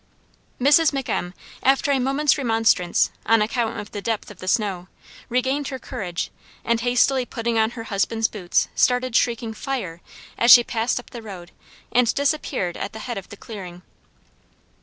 Mrs. McM., after a moment's remonstrance, on account of the depth of the snow, regained her courage, and, hastily putting on her husband's boots, started, shrieking "fire!" as she passed up the road, and disappeared at the head of the clearing.